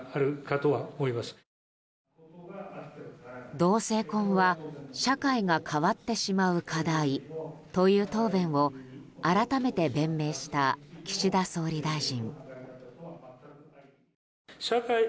同性婚は社会が変わってしまう課題という答弁を改めて弁明した岸田総理大臣。